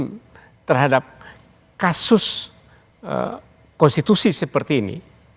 untuk mengatasi kasus konstitusi seperti ini